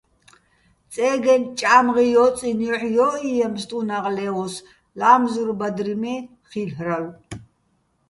წე́გეჼ ჭა́მღი ჲო́წინო̆ ჲოჰ̦ ჲო́ჸჲიეჼ ფსტუნაღ ლე́ოს, ლა́მზურ ბადრი მე́ ხილ'რალო̆.